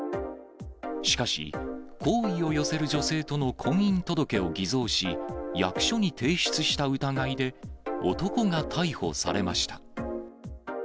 しかし、好意を寄せる女性との婚姻届を偽造し、役所に提出した疑いで、男が逮捕されました。